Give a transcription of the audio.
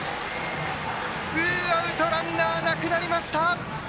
ツーアウトランナーなくなりました！